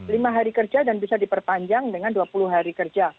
lima hari kerja dan bisa diperpanjang dengan dua puluh hari kerja